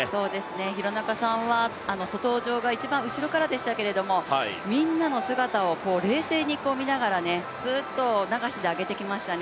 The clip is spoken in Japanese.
廣中さんは登場が一番後ろからでしたけどみんなの姿を冷静に見ながらすっと流しで上げてきましたね。